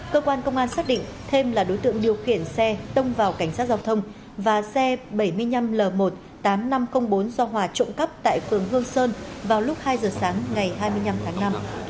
cơ quan công an xác định thêm là đối tượng điều khiển xe tông vào cảnh sát giao thông và xe bảy mươi năm l một mươi tám nghìn năm trăm linh bốn do hòa trộm cắp tại phường hương sơn vào lúc hai giờ sáng ngày hai mươi năm tháng năm